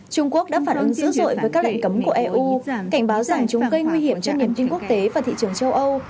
trung quốc đã phản ứng dữ dội với các lệnh cấm của eu cảnh báo rằng chúng gây nguy hiểm cho niềm tin quốc tế và thị trường châu âu